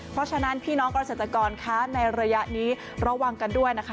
เพราะฉะนั้นพี่น้องเกษตรกรคะในระยะนี้ระวังกันด้วยนะคะ